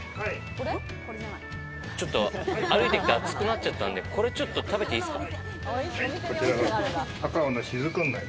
ちょっと歩いてきて暑くなっちゃったんで、これちょっと、食べていいですか。